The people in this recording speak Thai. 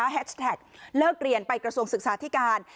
แฮชแท็กเลิกเรียนไปกระทรวงศึกษาธิการ